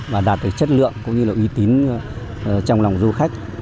và đạt được chất lượng cũng như là uy tín trong lòng du khách